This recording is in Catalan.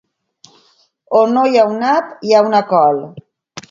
On no hi ha un nap, hi ha una col.